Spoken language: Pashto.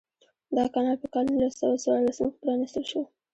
دا کانال په کال نولس سوه څوارلسم کې پرانیستل شو.